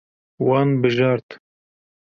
Wan bijart.